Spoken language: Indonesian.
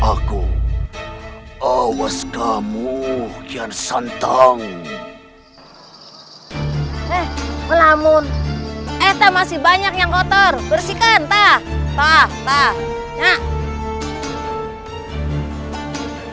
aku awas kamu yang santang eh melamun eta masih banyak yang kotor bersihkan tak tak tak